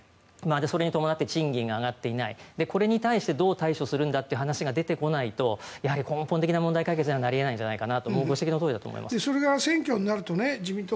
それに伴って賃金が上がっていないこれに対してどう対処するんだという話が出てこないとやはり根本的な問題解決にはならないんじゃないかとそれが選挙になると自民党、